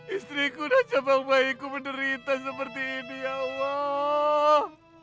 istriku dan cabang bayiku menderita seperti ini ya allah